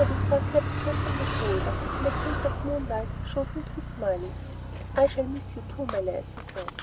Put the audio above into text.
Wicker clapped Chris on the shoulder and a glint of moonlight showed him to be smiling. "I shall miss you too, my lad," he said.